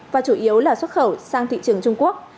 và chủ yếu là xuất khẩu sang thị trường trung quốc